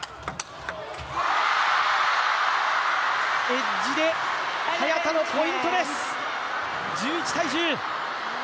エッジで早田のポイントです。